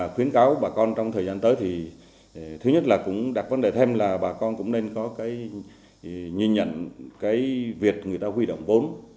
khuyến cáo bà con trong thời gian tới thì thứ nhất là cũng đặt vấn đề thêm là bà con cũng nên có cái nhìn nhận cái việc người ta huy động vốn